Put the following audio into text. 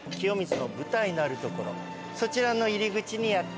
そちらの入り口にやって来ました。